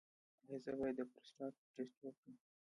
ایا زه باید د پروستات ټسټ وکړم؟